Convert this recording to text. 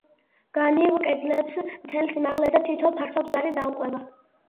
განივ კედლებს, მთელ სიმაღლეზე, თითო ფართო ბზარი დაუყვება.